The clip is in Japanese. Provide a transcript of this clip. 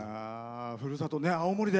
ふるさと、青森で。